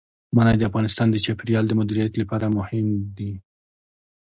منی د افغانستان د چاپیریال د مدیریت لپاره مهم دي.